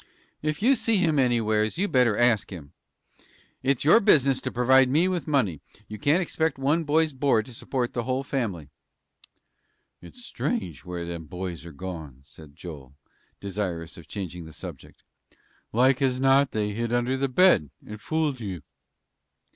"Ef you see him anywheres, you'd better ask him. It's your business to provide me with money; you can't expect one boy's board to support the whole family." "It's strange where them boys are gone," said Joel, desirous of changing the subject. "Like as not, they hid under the bed, and fooled you."